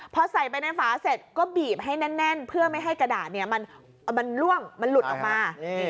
พอใส่ไปในฝาเสร็จก็บีบให้แน่นเพื่อไม่ให้กระดาษมันล่วงมันหลุดออกมา